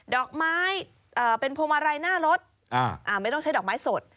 ดอกไม้เป็นพวงมาลัยหน้ารถไม่ต้องใช้ดอกไม้สด